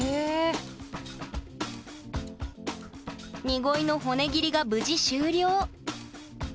ニゴイの骨切りが無事終了